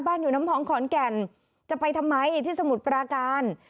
อยู่น้ำพองขอนแก่นจะไปทำไมที่สมุทรปราการ